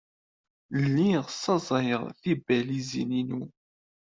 Lliɣ ssaẓayeɣ tibalizin-inu.